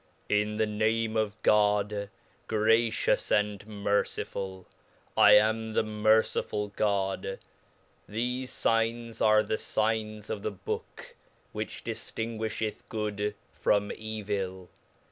IN the Name of God, gracious and mercifuU. I amthemer cifuUGod. Thefefigns are the figns of the Book which 61 flinguifheth good from evill.